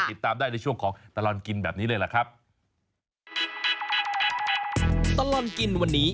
ติดตามได้ในช่วงของตลอดกินแบบนี้เลย